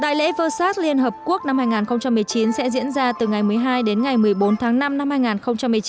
đại lễ vơ sát liên hợp quốc năm hai nghìn một mươi chín sẽ diễn ra từ ngày một mươi hai đến ngày một mươi bốn tháng năm năm hai nghìn một mươi chín